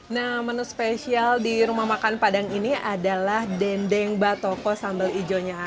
nah menu spesial di rumah makan padang ini adalah dendeng batoko sambal hijaunya